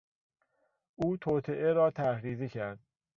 او توطئه را طرحریزی کرد.